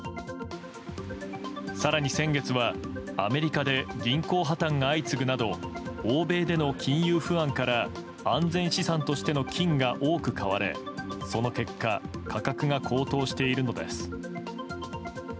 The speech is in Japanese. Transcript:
更に、先月はアメリカで銀行破綻が相次ぐなど欧米での金融不安から安全資産としての金が多く買われ、その結果価格が高騰しているのです。